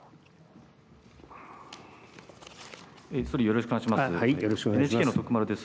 よろしくお願いします。